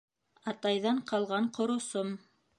Атайҙан ҡалған ҡоросом